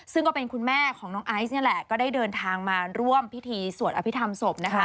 ซึ่งก็เป็นคุณแม่ของน้องไอซ์นี่แหละก็ได้เดินทางมาร่วมพิธีสวดอภิษฐรรมศพนะคะ